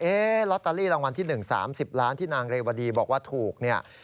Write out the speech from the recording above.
เอ่ลอตเตอรี่รางวัลที่หนึ่ง๓๐ล้านที่นางเลยวดีบอกว่าถูก